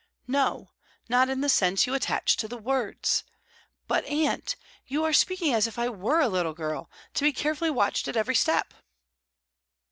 "No; not in the sense you attach to the words. But, aunt, you are speaking as if I were a little girl, to be carefully watched at every step."